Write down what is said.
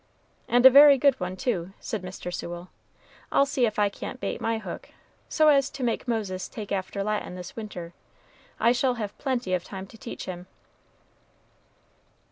"And a very good one, too!" said Mr. Sewell. "I'll see if I can't bait my hook, so as to make Moses take after Latin this winter. I shall have plenty of time to teach him."